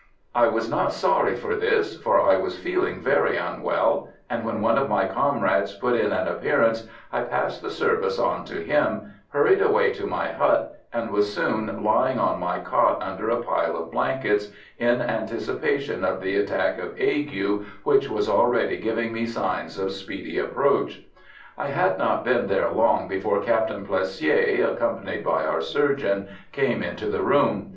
I was not sorry for this, for I was feeling very unwell; and when one of my comrades put in an appearance I passed the service on to him, hurried away to my hut, and was soon lying on my cot under a pile of blankets, in anticipation of the attack of ague which was already giving me signs of speedy approach. I had not been there long before Captain Plessier, accompanied by our surgeon, came into the room.